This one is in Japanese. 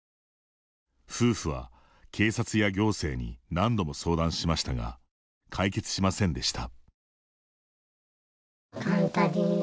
夫婦は警察や行政に何度も相談しましたが解決しませんでした。